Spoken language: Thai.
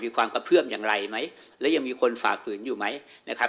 ความกระเพื่อมอย่างไรไหมและยังมีคนฝ่าฝืนอยู่ไหมนะครับ